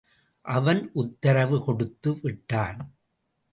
அவன் உத்தரவு கொடுத்து விட்டான்.